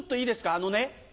あのね。